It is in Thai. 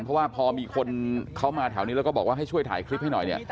เพราะว่าพอมีคนเขามาแถวนี้แล้วก็บอกว่าให้ช่วยถ่ายคลิปให้หน่อยเนี่ย